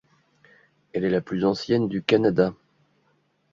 Elle est la plus ancienne du Canada.